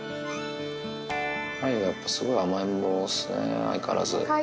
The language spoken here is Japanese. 雷がすごい甘えん坊っすね、相変わらず。